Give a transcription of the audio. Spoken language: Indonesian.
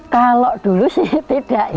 kalau dulu sih tidak ya